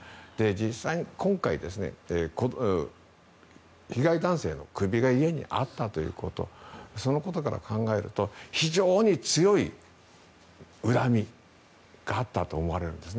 実際に今回、被害男性の首が家にあったということそのことから考えると非常に強い恨みがあったと思われるんです。